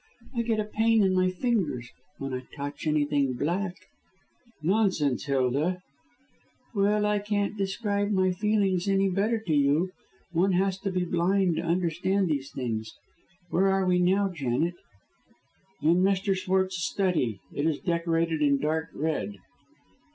I get a pain in my fingers when I touch anything black." "Nonsense, Hilda!" "Well, I can't describe my feelings any better to you. One has to be blind to understand these things. Where are we now, Janet?" "In Mr. Schwartz's study. It is decorated in dark red."